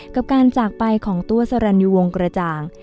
กับการจากไปของตัวสรรยูวงกระจ่าง